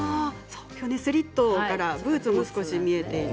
スリットからブーツも少し見えていて。